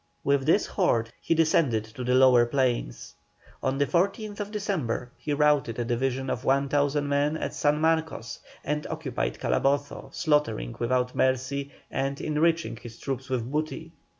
With this horde he descended to the lower plains. On the 14th December he routed a division of 1,000 men at San Marcos, and occupied Calabozo, slaughtering without mercy, and enriching his troops with booty.